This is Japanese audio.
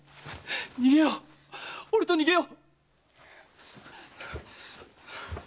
逃げよう俺と逃げよう！